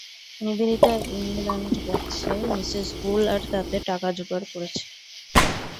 Nivedita England গেছে, Mrs Bull আর তাতে টাকা যোগাড় করছে।